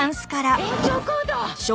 延長コード！